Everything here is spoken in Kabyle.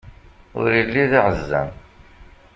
Ur illi d aɛezzam!